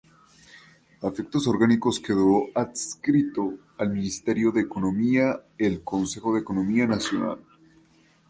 A efectos orgánicos quedó adscrito al ministerio de Economía el Consejo de Economía Nacional.